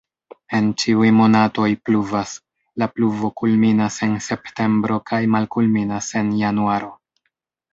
En ĉiuj monatoj pluvas, la pluvo kulminas en septembro kaj malkulminas en januaro.